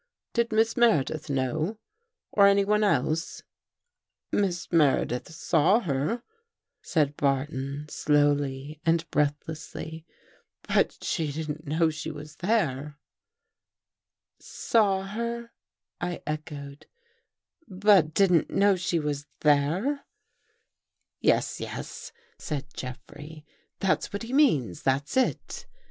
Did Miss Meredith know? Or anyone else? "" Miss Meredith saw her," said Barton, slowly and breathlessly. " But she didn't know she was there." " Saw her," I echoed, " but didn't know she was there I " 242 THE THIRD CONFESSION " Yes, yes," said Jeffrey. " That's what he means. That's it."